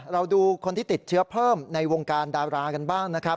เราดูคนที่ติดเชื้อเพิ่มในวงการดารากันบ้างนะครับ